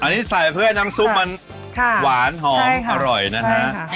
อันนี้ใส่เพื่อให้น้ำซุปมันหวานหอมอร่อยนะฮะ